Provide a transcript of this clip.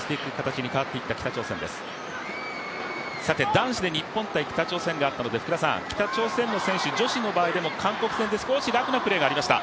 男子で日本×北朝鮮があったので北朝鮮の選手、女子の場合でも、韓国戦で少しラフなプレーがありました。